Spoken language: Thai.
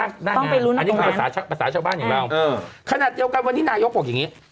อันนี้คือภาษาชาวบ้านอย่างเราขณะเดียวกันวันนี้นายก้บบอกอย่างงี้